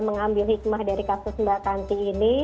mengambil hikmah dari kasus mbak tanti ini